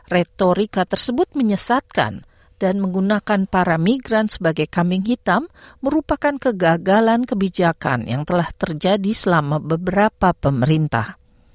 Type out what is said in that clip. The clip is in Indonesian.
retorika tersebut menyesatkan dan menggunakan para migran sebagai kambing hitam merupakan kegagalan kebijakan yang telah terjadi selama beberapa pemerintah